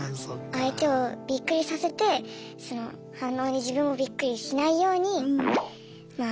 相手をびっくりさせてその反応に自分もびっくりしないようにまあ考えて。